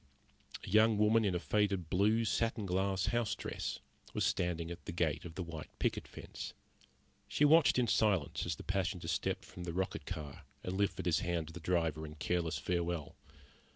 A young woman in a faded blue satin glass house dress was standing at the gate of the white picket fence. She watched in silence as the passenger stepped from the rocket car and lifted his hand to the driver in careless farewell.